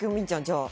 じゃあ